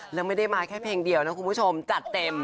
แล้วไม่ได้มาแค่เพลงเดียวนะคุณผู้ชมจัดเต็ม